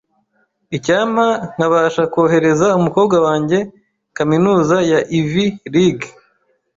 Icyampa nkabasha kohereza umukobwa wanjye kaminuza ya Ivy League .